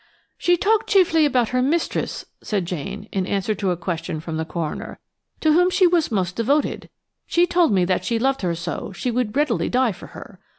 "She talked chiefly about her mistress," said Jane, in answer to a question from the coroner, "to whom she was most devoted. She told me that she loved her so, she would readily die for her.